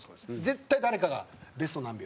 絶対誰かが「ベスト何秒？」